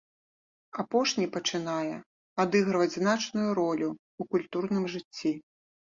Апошні пачынае адыгрываць значную ролю ў культурным жыцці.